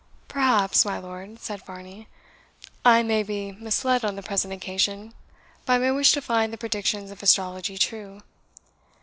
"Perhaps, my lord," said Varney, "I may be misled on the present occasion by my wish to find the predictions of astrology true.